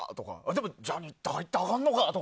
でもジャニーズって入ったらあかんのかって。